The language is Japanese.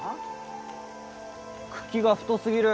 茎が太すぎる。